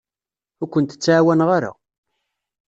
Ur kent-ttɛawaneɣ ara.